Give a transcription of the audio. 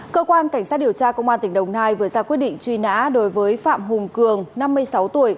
cơ quan cảnh sát điều tra công an tỉnh đồng nai vừa ra quyết định truy nã đối với phạm hùng cường năm mươi sáu tuổi